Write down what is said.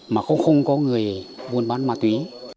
mà cũng không có người buôn bán ma túy